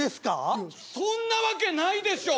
いやそんなわけないでしょ！